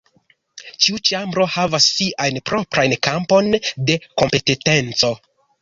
Ĉiu ĉambro havas siajn proprajn kampon de kompetenteco.